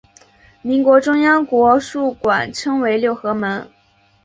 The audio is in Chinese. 民国中央国术馆称为六合门。